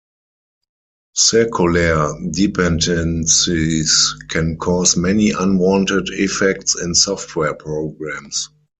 Circular dependencies can cause many unwanted effects in software programs.